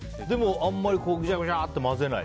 あんまりぐちゃぐちゃって混ぜない。